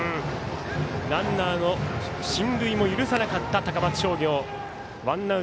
ランナーの親類も許さなかった高松商業。